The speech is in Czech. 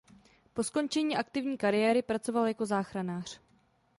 Po skončení aktivní kariéry pracoval jako záchranář.